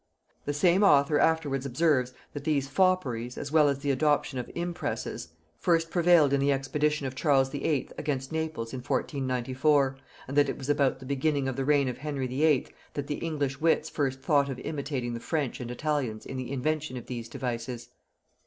The same author afterwards observes, that these fopperies, as well as the adoption of impresses, first prevailed in the expedition of Charles VIII. against Naples in 1494, and that it was about the beginning of the reign of Henry VIII. that the English wits first thought of imitating the French and Italians in the invention of these devices.